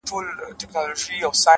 پرمختګ د آرامې سیمې پرېښودل غواړي’